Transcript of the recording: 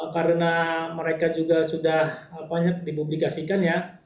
karena mereka juga sudah dipublikasikan ya